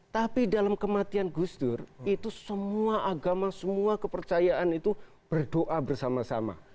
tapi dalam kematian gus dur itu semua agama semua kepercayaan itu berdoa bersama sama